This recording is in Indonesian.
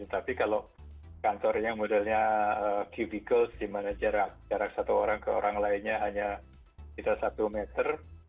tapi kalau kantornya modelnya quical di mana jarak satu orang ke orang lainnya hanya sekitar satu meter